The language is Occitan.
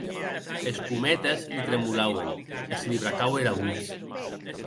Es pometes li tremolauen, e se li bracaue era votz.